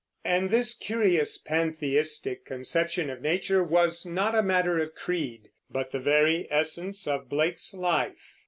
And this curious, pantheistic conception of nature was not a matter of creed, but the very essence of Blake's life.